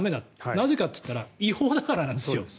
なぜかっていったら違法だからなんですよ。